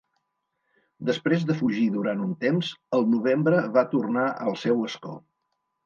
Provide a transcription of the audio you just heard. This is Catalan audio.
Després de fugir durant un temps, el novembre va tornar al seu escó.